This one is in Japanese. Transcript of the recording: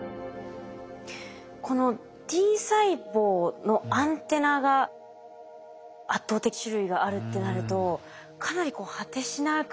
このＴ細胞のアンテナが圧倒的種類があるってなるとかなり果てしなく感じてしまいますね。